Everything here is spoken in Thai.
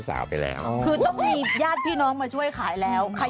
เรายืนขึ้นเลย